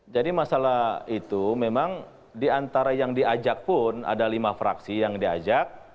jadi masalah itu memang diantara yang diajak pun ada lima fraksi yang diajak